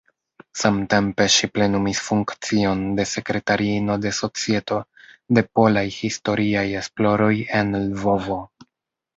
Samtempe ŝi plenumis funkcion de sekretariino de Societo de Polaj Historiaj Esploroj en Lvovo.